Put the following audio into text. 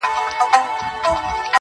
د هر تورى لړم سو ، شپه خوره سوه خدايه,